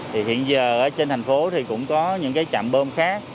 thì hiện giờ ở trên thành phố thì cũng có những cái chạm bơm khác